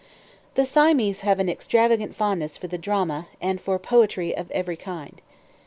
The Siamese have an extravagant fondness for the drama, and for poetry of every kind.